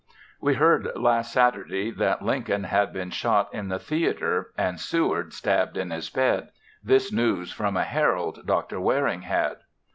We heard last Saturday that Lincoln had been shot in the theatre, and Seward stabbed in his bed; this news from a Herald Dr. Waring had.